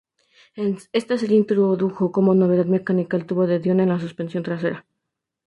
Esta serie introdujo como novedad mecánica el tubo de Dion en la suspensión trasera.